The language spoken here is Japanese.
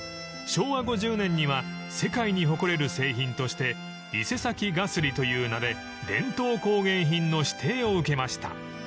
［昭和５０年には世界に誇れる製品として伊勢崎絣という名で伝統工芸品の指定を受けました］